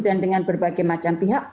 dan dengan berbagai macam pihak